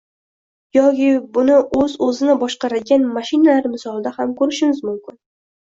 Yoki buni oʻz-oʻzini boshqaradigan mashinalar misolida ham koʻrishimiz mumkin.